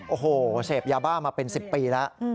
โอ้โหเสพยาบ้ามาเป็น๑๐ปีแล้ว